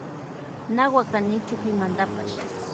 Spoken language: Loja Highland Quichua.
Na wakanichu pimantapash.